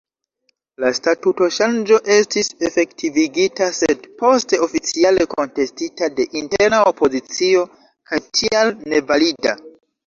La statutoŝanĝo estis efektivigita, sed poste oficiale kontestita de interna opozicio, kaj tial nevalida.